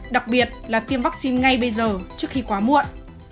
đặc biệt là tiêm vắc xin ngay bây giờ trước khi quá muộn